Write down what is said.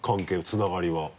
つながりは？